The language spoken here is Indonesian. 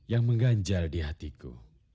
yang mengganjar di hatiku